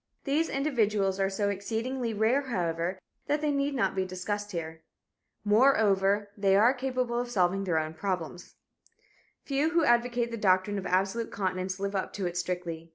These individuals are so exceedingly rare, however, that they need not be discussed here. Moreover, they are capable of solving their own problems. Few who advocate the doctrine of absolute continence live up to it strictly.